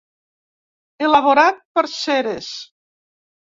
Elaborat per Ceres.